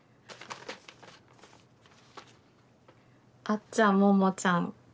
「あっちゃんももちゃん